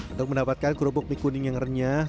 untuk mendapatkan kerupuk mie kuning yang renyah